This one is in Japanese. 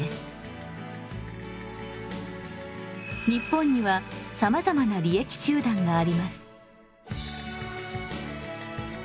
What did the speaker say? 日本にはさまざまな利益集団があります。